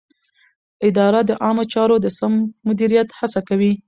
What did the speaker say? اداره د عامه چارو د سم مدیریت هڅه کوي.